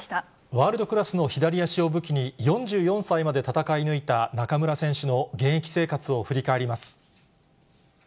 ワールドクラスの左足を武器に、４４歳まで戦い抜いた中村選手の現役生活を振り返ります。